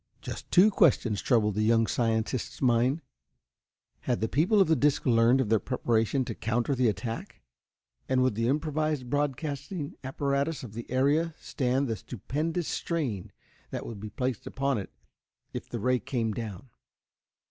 Just two questions troubled the young scientist's mind. Had the people of the disc learned of their preparations to counter the attack? And would the improvised broadcasting apparatus of the area stand the stupendous strain that would be placed upon it if the ray came down?